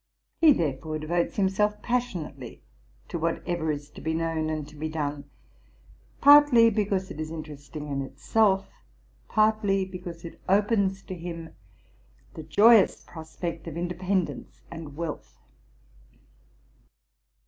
He therefore devotes him self passionately to whatever is to be known and to be done, partly because it is interesting in itself, partly because it opens to him the joyous prospect of independence and wealth.